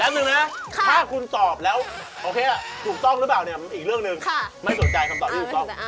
แป๊บนึงนะครับถ้าคุณตอบแล้วโอเคอ่ะกลุ่มต้องรึเปล่าเนี่ยอีกเรื่องหนึ่งไม่สนใจคำตอบไม่สนใจ